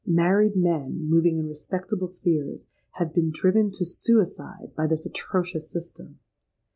Married men, moving in respectable spheres, have been driven to suicide by this atrocious system!